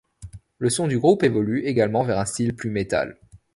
Le son du groupe évolue également vers un style plus metal.